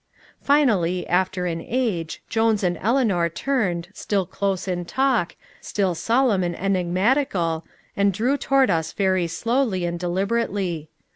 Finally, after an age, Jones and Eleanor turned, still close in talk, still solemn and enigmatical, and drew toward us very slowly and deliberately.